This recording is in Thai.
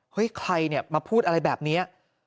ใครเนี่ยมาพูดอะไรแบบนี้